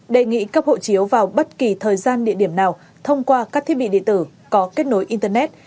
đề nghị cấp hộ chiếu vào bất kỳ thời gian địa điểm nào thông qua các thiết bị điện tử có kết nối internet